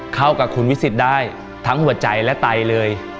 เข้ากับคุณวิสิทธิ์ได้ทั้งหัวใจและไตเลย